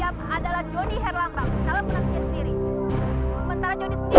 bapak bisa mengerti